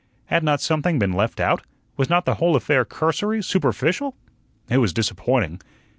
Had not something been left out? Was not the whole affair cursory, superficial? It was disappointing.